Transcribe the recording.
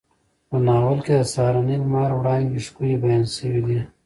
په ناول کې د سهارني لمر وړانګې ښکلې بیان شوې دي.